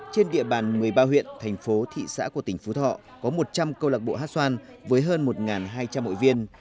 trên địa bàn một mươi ba huyện thành phố thị xã của tỉnh phú thọ có một trăm linh câu lạc bộ hát xoan với hơn một hai trăm linh hội viên